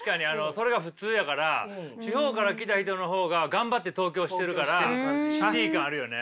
それが普通やから地方から来た人の方が頑張って東京してるからＣＩＴＹ感あるよね。